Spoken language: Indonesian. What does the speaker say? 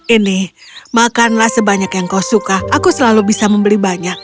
ini makanlah sebanyak yang kau suka aku selalu bisa membeli banyak